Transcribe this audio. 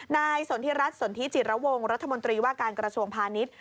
ในส่วนที่รัฐส่วนที่จิตระวงรัฐมนตรีว่าการกระทรวงพาณิชย์